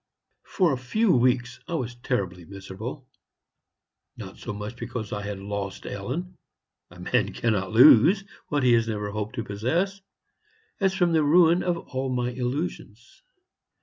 "For a few weeks I was terribly miserable; not so much because I had lost Ellen a man cannot lose what he has never hoped to possess as from the ruin of all my illusions.